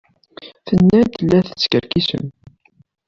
Tenna-d la teskerkisem.